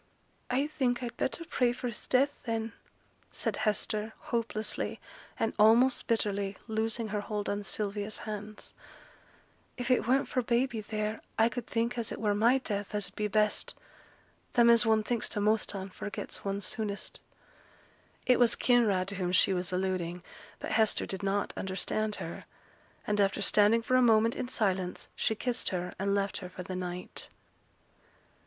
'I think I'd better pray for his death, then,' said Hester, hopelessly, and almost bitterly, loosing her hold of Sylvia's hands. 'If it weren't for baby theere, I could think as it were my death as 'ud be best. Them as one thinks t' most on, forgets one soonest.' It was Kinraid to whom she was alluding; but Hester did not understand her; and after standing for a moment in silence, she kissed her, and left her for the night.